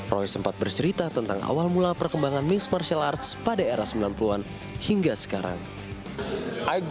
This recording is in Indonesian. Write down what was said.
roy sempat bercerita tentang awal mula perkembangan mixed martial arts pada era sembilan puluh an hingga sekarang